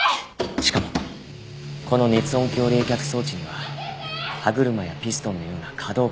しかもこの熱音響冷却装置には歯車やピストンのような可動部が一切ない。